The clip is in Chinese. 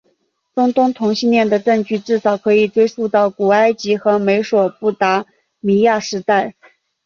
中东同性恋的证据至少可以追溯到古埃及和美索不达米亚时代。